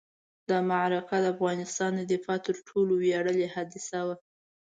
دا معرکه د افغانستان د دفاع تر ټولو ویاړلې حادثه وه.